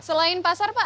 selain pasar pak